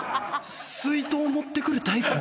水筒持ってくるタイプ？